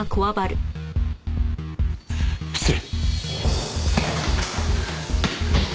失礼。